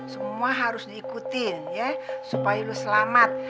semua harus diikutin ya supaya lu selamat